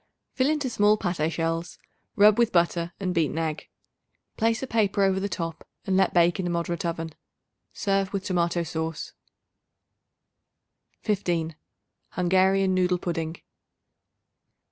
Fill into small pate shells; rub with butter and beaten egg. Place a paper over the top and let bake in a moderate oven. Serve with tomato sauce. 15. Hungarian Noodle Pudding.